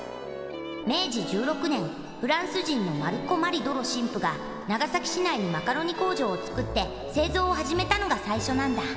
明治１６年フランス人のマルク・マリー・ド・ロ神父が長崎市内にマカロニ工場をつくってせいぞうをはじめたのがさいしょなんだ。